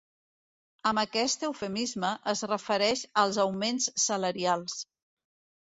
Amb aquest eufemisme es refereix als augments salarials.